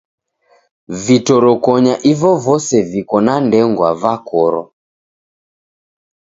Vitorokonya ivovose viko na ndengwa vakorwa.